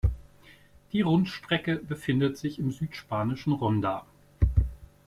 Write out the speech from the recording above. Die Rundstrecke befindet sich im südspanischen Ronda.